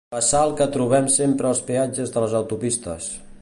Bassal que trobem sempre als peatges de les autopistes.